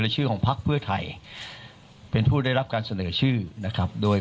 ชื่อของพักเพื่อไทยเป็นผู้ได้รับการเสนอชื่อนะครับโดย